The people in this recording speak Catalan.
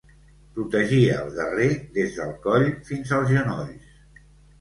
Protegia al guerrer des del coll fins als genolls.